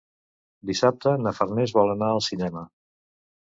Dissabte na Farners vol anar al cinema.